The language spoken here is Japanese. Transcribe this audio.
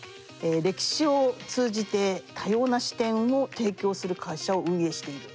歴史を通じて多様な視点を提供する会社を運営している。